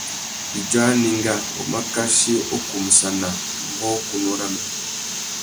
Idjô anénga, ngu mà kachi u kumsana mbōkunú râmê.